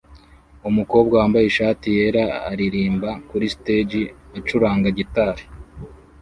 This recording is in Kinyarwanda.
Umukobwa wambaye ishati yera aririmba kuri stage acuranga gitari